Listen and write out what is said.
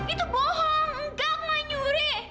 itu bohong tidak pak nyuri